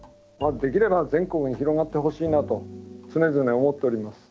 できれば全国に広がってほしいなと常々思っております。